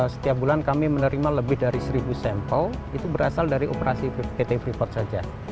setiap bulan kami menerima lebih dari seribu sampel itu berasal dari operasi pt freeport saja